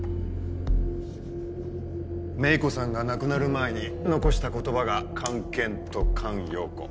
芽衣子さんが亡くなる前に残した言葉が「菅研」と「菅容子」。